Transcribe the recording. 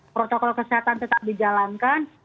protokol kesehatan tetap dijalankan